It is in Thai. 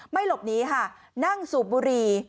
หลบหนีค่ะนั่งสูบบุรี